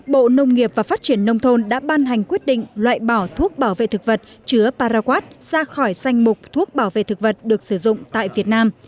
bộ nông nghiệp và phát triển nông thôn đã ban hành quyết định loại bỏ thuốc bảo vệ thực vật chứa paraguat ra khỏi danh mục thuốc bảo vệ thực vật được sử dụng tại việt nam